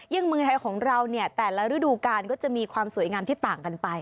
เมืองไทยของเราเนี่ยแต่ละฤดูกาลก็จะมีความสวยงามที่ต่างกันไป